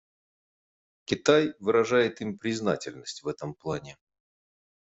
Китай выражает им признательность в этом плане.